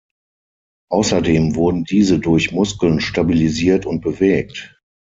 Außerdem wurden diese durch Muskeln stabilisiert und bewegt.